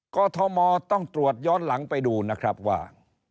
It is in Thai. กรทมต้องตรวจย้อนหลังไปดูนะครับว่า